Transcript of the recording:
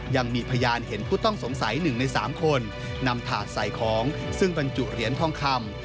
ยังมีพยานเห็นผู้ต้องสงสัย๑ใน๓คนนำถาดใส่ของซึ่งบรรจุเหรียญทองคำ